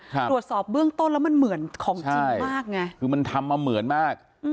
ตรวจสอบเบื้องต้นแล้วมันเหมือนของจริงมากไงคือมันทำมาเหมือนมาก